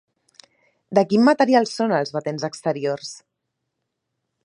De quin material són els batents exteriors?